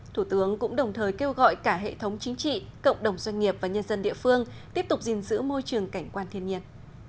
thủ tướng cũng đồng thời kêu gọi cả hệ thống chính trị cộng đồng doanh nghiệp và nhân dân địa phương tiếp tục gìn giữ môi trường cảnh quan thiên nhiên